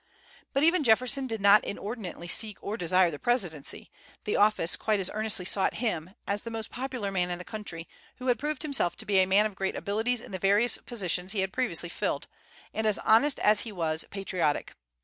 But even Jefferson did not inordinately seek or desire the presidency. The office quite as earnestly sought him, as the most popular man in the country, who had proved himself to be a man of great abilities in the various positions he had previously filled, and as honest as he was patriotic.